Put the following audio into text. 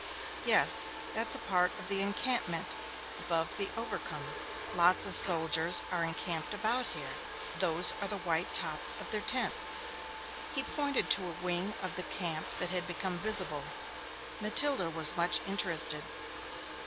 'Yes, that's a part of the encampment above Overcombe. Lots of soldiers are encamped about here; those are the white tops of their tents.' He pointed to a wing of the camp that had become visible. Matilda was much interested.